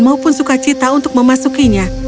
maupun sukacita untuk memasukinya